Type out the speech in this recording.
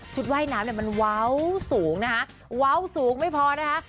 ว่ายน้ำเนี่ยมันเว้าสูงนะคะเว้าสูงไม่พอนะคะ